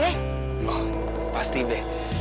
moh pasti be